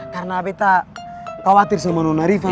karena betta khawatir sama nona rifqi